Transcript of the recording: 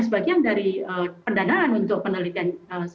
sebagian dari pendanaan untuk penelitian